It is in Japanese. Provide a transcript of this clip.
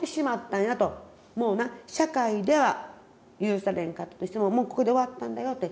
もうな社会では許されんかったとしてももうここで終わったんだよって。